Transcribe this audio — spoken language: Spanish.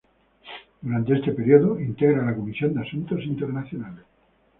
Durante este período integra la Comisión de Asuntos Internacionales.